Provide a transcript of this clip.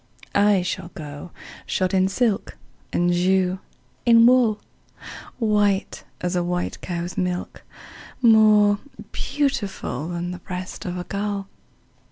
I shall go shod in silk, And you in wool, White as a white cow's milk, More beautiful Than the breast of a gull.